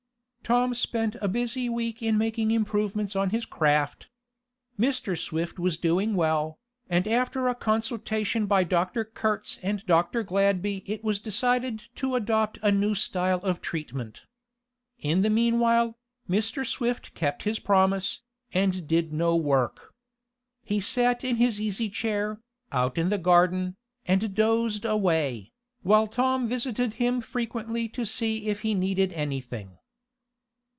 Tom spent a busy week in making improvements on his craft. Mr. Swift was doing well, and after a consultation by Dr. Kurtz and Dr. Gladby it was decided to adopt a new style of treatment. In the meanwhile, Mr. Swift kept his promise, and did no work. He sat in his easy chair, out in the garden, and dozed away, while Tom visited him frequently to see if he needed anything.